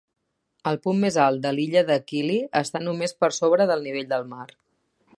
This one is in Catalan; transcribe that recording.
El punt més alt de l"Illa de Kili està només per sobre del nivell del mar.